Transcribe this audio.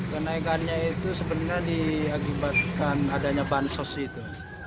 kenaikannya itu sebenarnya diakibatkan adanya bahan sos itu